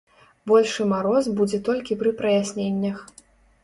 Большы мароз будзе толькі пры праясненнях.